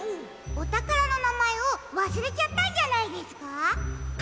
おたからのなまえをわすれちゃったんじゃないですか？